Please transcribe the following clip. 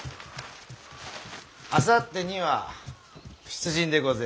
あさってには出陣でごぜます。